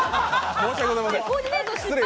申し訳ございません。